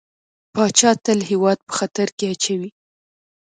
پاچا تل هيواد په خطر کې اچوي .